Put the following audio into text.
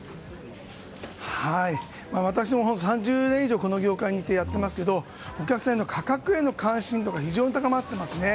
私も本当に３０年以上この業界にいてやっていますがお客さんへの価格への関心度が非常に高まってますね。